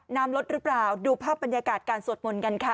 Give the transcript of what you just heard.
น้ำลดหรือเปล่าดูภาพบรรยากาศการสวดมนต์กันค่ะ